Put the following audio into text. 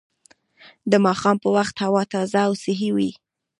د ماښام په وخت هوا تازه او صحي وي